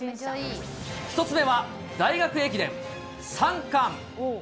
１つ目は大学駅伝三冠。